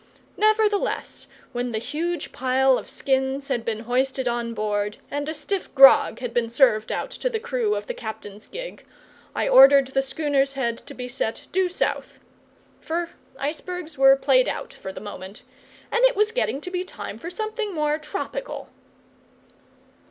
Nevertheless, when the huge pile of skins had been hoisted on board, and a stiff grog had been served out to the crew of the captain's gig, I ordered the schooner's head to be set due south. For icebergs were played out, for the moment, and it was getting to be time for something more tropical.